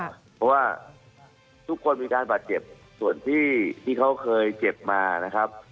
เพราะว่าทุกคนมีการบาดเจ็บส่วนที่เขาเคยเจ็บมานะครับ